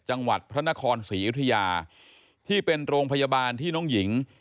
จังหวัดพระนครศรีอยุธยาที่เป็นโรงพยาบาลที่น้องหญิง